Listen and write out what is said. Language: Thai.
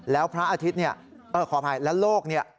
แล้วพระอาทิตย์เนี่ยขออภัยและโลกเนี่ย